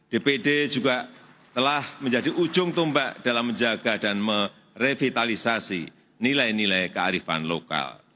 dpd juga telah menjadi ujung tombak dalam menjaga dan merevitalisasi nilai nilai kearifan lokal